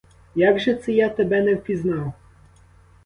Як же це я тебе не впізнав?